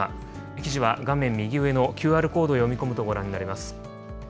記事は画面右上のＱＲコードを読み込むとご覧になれます。